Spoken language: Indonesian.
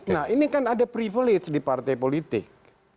nah ini kan ada privilege di partai politik